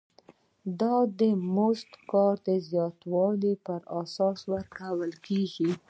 دا مزد د وخت د اوږدوالي پر اساس ورکول کېږي